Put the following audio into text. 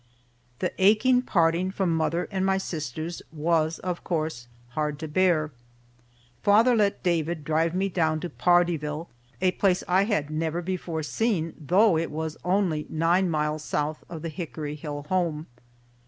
The aching parting from mother and my sisters was, of course, hard to bear. Father let David drive me down to Pardeeville, a place I had never before seen, though it was only nine miles south of the Hickory Hill home.